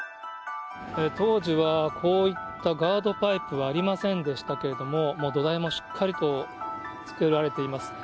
当時はこういったガードパイプはありませんでしたけれども、土台もしっかりと作られています。